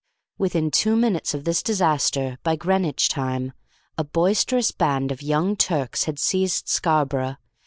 Within two minutes of this disaster, by Greenwich time, a boisterous band of Young Turks had seized Scarborough.